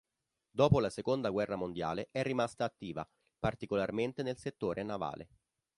Dopo la seconda guerra mondiale, è rimasta attiva, particolarmente nel settore navale.